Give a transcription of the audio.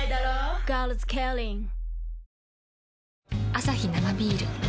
アサヒ生ビール